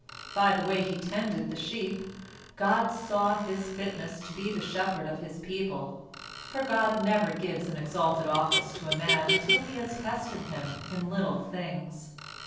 By the way he tended the sheep, God saw his fitness to be the shepherd of His people, for God never gives an exalted office to a man until He has tested him in little things.